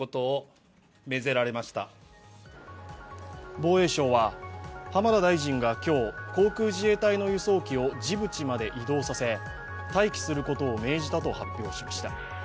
防衛省は、浜田大臣が今日航空自衛隊の輸送機をジブチまで移動させ待機することを命じたと発表しました。